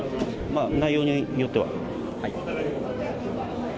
まあ、内容によっては。